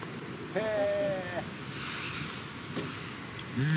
うん！